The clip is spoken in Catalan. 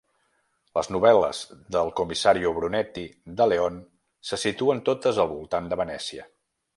Les novel·les del Commissario Brunetti de Leon se situen totes al voltant de Venècia.